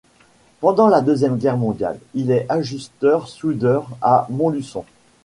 Pendant la Deuxième Guerre mondiale, il est ajusteur-soudeur à Montluçon.